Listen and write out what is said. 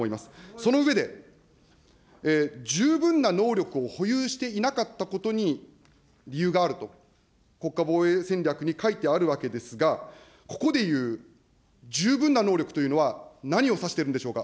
その上で、十分な能力を保有していなかったことに理由があると、国家防衛戦略に書いてあるわけですが、ここでいう十分な能力というのは、何を指しているんでしょうか。